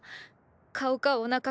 “顔かお腹か”